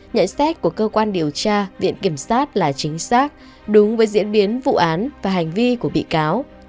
nhận xét của cơ quan điều tra viện kiểm sát là chính xác đúng với diễn biến vụ án và hành vi của bị cáo